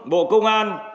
bộ công an